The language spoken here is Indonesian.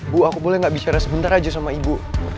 bu aku boleh gak bicara sebentar aja sama ibu